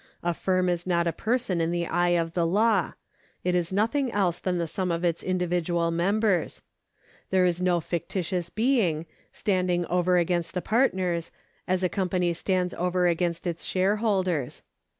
A firm is not a person in the eye of the law ; it is nothing else than the sum of its individual members. There is no fictitious being, standing over against the partners, as a company stands over against its shareholders.